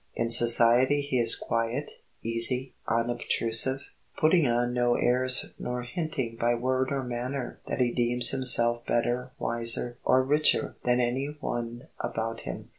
In society he is quiet, easy, unobtrusive, putting on no airs nor hinting by word or manner that he deems himself better, wiser, or richer than any one about him.